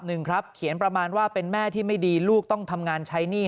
หนึ่งครับเขียนประมาณว่าเป็นแม่ที่ไม่ดีลูกต้องทำงานใช้หนี้